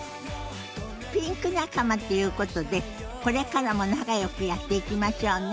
ピンク仲間っていうことでこれからも仲よくやっていきましょうね。